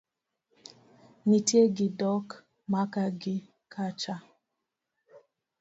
nitie gi dok maka gi kacha.